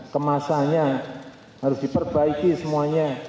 kemasannya harus diperbaiki semuanya